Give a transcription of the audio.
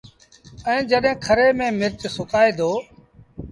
ائيٚݩ جڏهيݩ کري ميݩ مرچ سُڪآئي دو